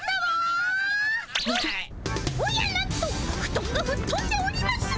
おやなんとフトンがふっとんでおります。